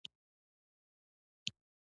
دوی په وروستیو دوو پېړیو کې خورا شتمن شوي وو